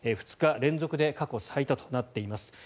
２日連続で過去最多となっています。